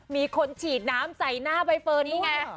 มีคนฉีดน้ำใส่หน้าไบเฟิร์น